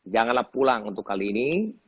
janganlah pulang untuk kali ini